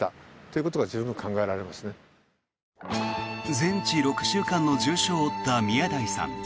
全治６週間の重傷を負った宮台さん。